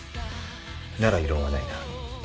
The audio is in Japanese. なら異論はないな？